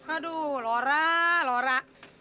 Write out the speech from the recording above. aduh lora lora